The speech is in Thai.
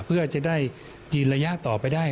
เพื่อจะได้จีนระยะต่อไปได้